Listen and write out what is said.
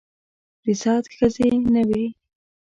د سعد ښځې نه وې.